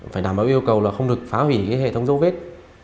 phải đảm bảo yêu cầu không được phá hủy hệ thống dấu vết